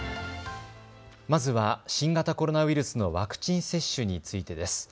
まずは新型コロナウイルスのワクチン接種についてです。